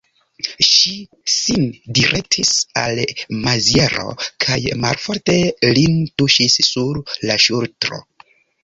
Ŝi sin direktis al Maziero, kaj malforte lin tuŝis sur la ŝultro.